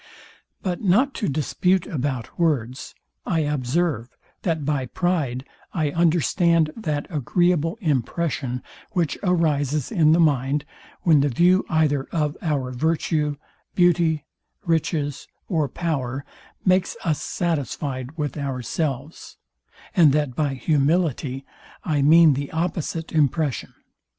But not to dispute about words, I observe, that by pride I understand that agreeable impression, which arises in the mind, when the view either of our virtue, beauty, riches or power makes us satisfyed with ourselves: and that by humility I mean the opposite impression.